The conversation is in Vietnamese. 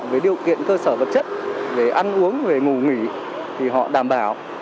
về điều kiện cơ sở vật chất về ăn uống về ngủ nghỉ thì họ đảm bảo